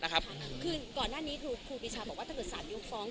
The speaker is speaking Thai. คือก่อนหน้านี้ครูปีชาบอกว่าถ้าเกิดสารยกฟ้อง